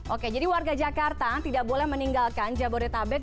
oke jadi warga jakarta tidak boleh meninggalkan jabodetabek